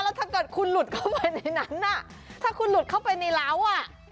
แล้วถ้าเกิดคุณหลุดเข้าไปในนั้นน่ะถ้าคุณหลุดเข้าไปในร้าวอ่ะ